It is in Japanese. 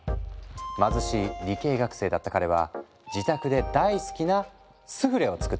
貧しい理系学生だった彼は自宅で大好きなスフレを作っていた。